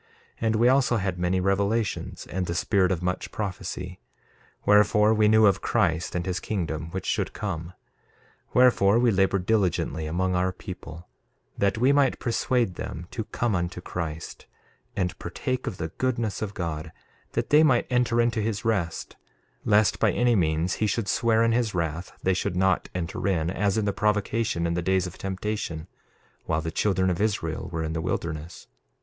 1:6 And we also had many revelations, and the spirit of much prophecy; wherefore, we knew of Christ and his kingdom, which should come. 1:7 Wherefore we labored diligently among our people, that we might persuade them to come unto Christ, and partake of the goodness of God, that they might enter into his rest, lest by any means he should swear in his wrath they should not enter in, as in the provocation in the days of temptation while the children of Israel were in the wilderness.